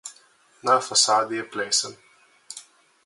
Na fasadi je plesen.